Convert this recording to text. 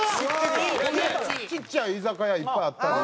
ちっちゃい居酒屋いっぱいあったり。